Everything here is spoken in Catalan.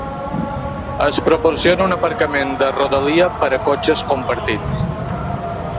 Es proporciona un aparcament de rodalia per a cotxes compartits.